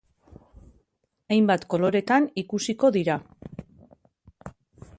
Hainbat koloretan ikusiko dira.